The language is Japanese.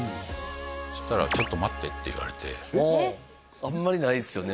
そしたら「ちょっと待って」って言われてあんまりないっすよね